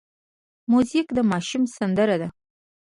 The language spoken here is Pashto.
موزیک د ماشوم سندره ده.